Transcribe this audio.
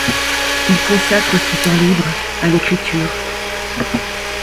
Il consacre son temps libre à l’écriture.